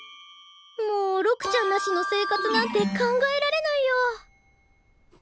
もう六ちゃんなしの生活なんて考えられないよ。